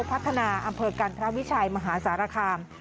พัฒนาอำเภอกันพระวิชัยมหาสารคาม